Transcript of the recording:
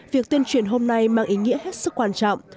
việc tuyên truyền hôm nay mang ý nghĩa hết sức quan trọng